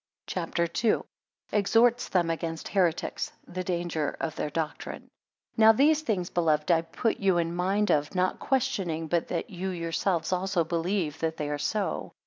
CHAPTER II. 1 Exhorts them against heretics. 8 The danger of their doctrine. NOW these things, beloved, I put you in mind of, not questioning but that you yourselves also believe that they are so.